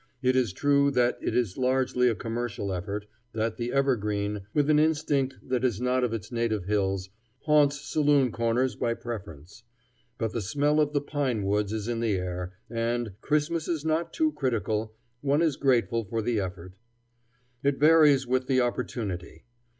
It is true that it is largely a commercial effort that the evergreen, with an instinct that is not of its native hills, haunts saloon corners by preference; but the smell of the pine woods is in the air, and Christmas is not too critical one is grateful for the effort. It varies with the opportunity.